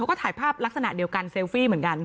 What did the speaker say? ก็ถ่ายภาพลักษณะเดียวกันเซลฟี่เหมือนกัน